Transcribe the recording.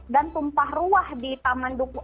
dan tumpah ruah di taman dukuh